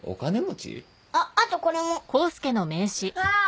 あっあとこれも。ああ！